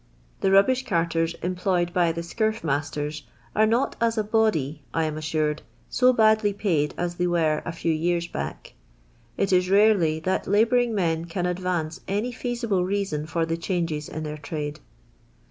The rubbish carters employed by the Karf masU rs are not, as a body, I am assured, to badly paid as th'^y were a few years back. It is rarely that labouring men can advance any feasible reason for the changes in their trade.